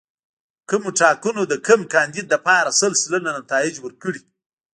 کومو ټاکنو د کوم کاندید لپاره سل سلنه نتایج ورکړي.